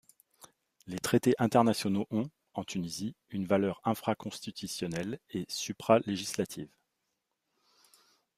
Les traités internationaux ont, en Tunisie, une valeur infra-constitutionnelle et supra-législative.